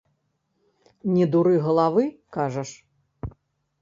Не дуры галавы, кажаш?